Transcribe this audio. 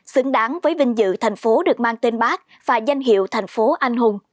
xứng đáng với vinh dự thành phố được mang tên bác và danh hiệu thành phố anh hùng